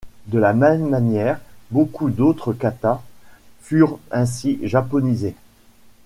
De la même manière, beaucoup d'autres katas furent ainsi 'japonisés'.